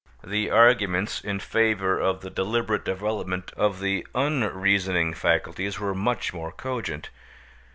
The arguments in favour of the deliberate development of the unreasoning faculties were much more cogent.